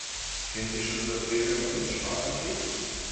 Kennen Sie schon unser Premium-Plus-Sparpaket?